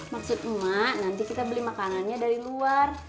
maksud emak nanti kita beli makanannya dari luar